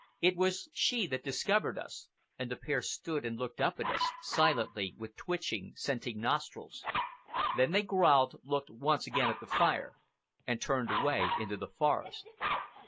It was she that discovered us, and the pair stood and looked up at us, silently, with twitching, scenting nostrils. Then they growled, looked once again at the fire, and turned away into the forest.